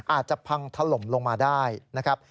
อาจจะพังถล่มลงมาได้นะครับ